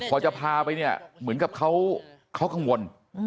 พอจะพาไปเนี่ยเหมือนกับเขากังวล